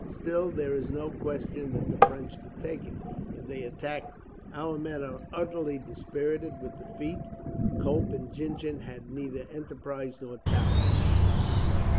Still, there is no question that the French could take it, if they attacked it. Our men are utterly dispirited with defeat. Cope and Gingen have neither enterprise nor talent.